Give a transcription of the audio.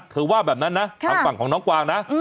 ว่าแบบนั้นนะทางฝั่งของน้องกวางนะ